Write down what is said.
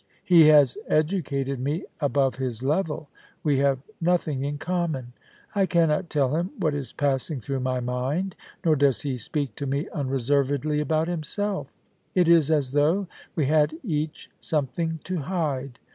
He has educated me above his level ; we have nothing in common. I cannot tell him what is passing through my mind, nor does he speak to me unreservedly about himself; it is as though we had each something to hide.